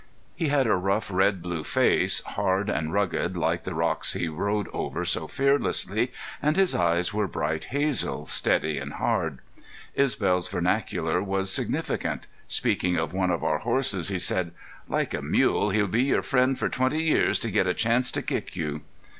He had a rough red blue face, hard and rugged, like the rocks he rode over so fearlessly, and his eyes were bright hazel, steady and hard. Isbel's vernacular was significant. Speaking of one of our horses he said: "Like a mule he'll be your friend for twenty years to git a chance to kick you."